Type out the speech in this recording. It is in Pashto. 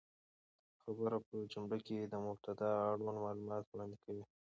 خبر په جمله کښي د مبتداء اړوند معلومات وړاندي کوي.